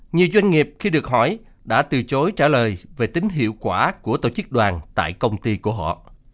nhiều doanh nghiệp khi được hỏi đã từ chối trả lời về tính hiệu quả của tổ chức đoàn tại công ty của họ